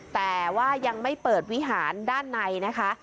แต่ว่ายังไม่เปิดวิหารด้านในนะคะ